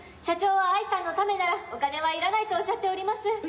社長は藍さんのためならお金はいらないとおっしゃっております。